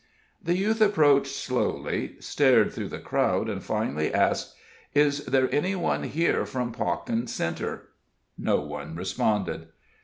The youth approached slowly, stared through the crowd, and finally asked: "Is there any one here from Pawkin Centre?" No one responded.